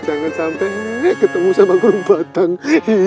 jangan sampai ketemu sama kurung batang